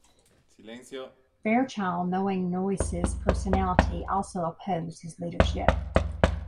Fairchild, knowing Noyce's personality, also opposed his leadership.